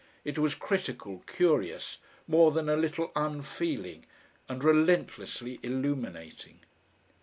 It was critical, curious, more than a little unfeeling and relentlessly illuminating.